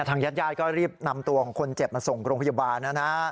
ทางญาติญาติก็รีบนำตัวของคนเจ็บมาส่งโรงพยาบาลนะฮะ